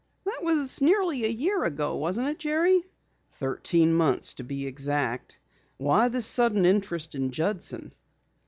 "That was nearly a year ago, wasn't it, Jerry?" "Thirteen months to be exact. Why this sudden interest in Judson?"